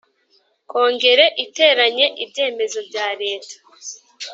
Kongere iteranye Ibyemezo bya leta